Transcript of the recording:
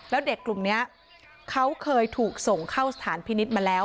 แล้วเด็กกลุ่มนี้เขาเคยถูกส่งเข้าสถานพินิษฐ์มาแล้ว